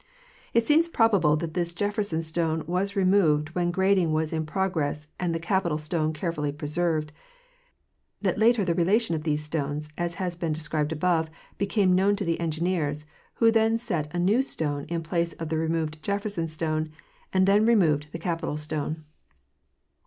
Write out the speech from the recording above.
It seems probable that this Jefferson stone was removed when grading was in progress and the Capitol stone carefully preserved ; that later the relation of these stones, as has been described above, became known to the engineers, who then set a new stone in place of the removed Jefferson stone, and then removed the Capitol stone.